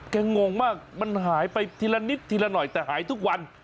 งงมากมันหายไปทีละนิดทีละหน่อยแต่หายทุกวัน